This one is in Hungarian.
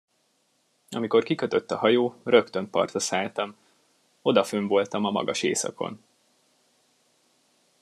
Amikor kikötött a hajó, rögtön partra szálltam; odafönn voltam a magas északon.